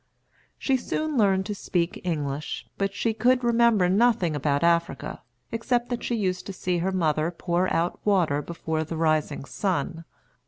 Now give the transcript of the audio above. She soon learned to speak English; but she could remember nothing about Africa, except that she used to see her mother pour out water before the rising sun.